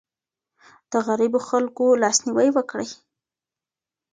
د غريبو خلګو لاسنيوی وکړئ.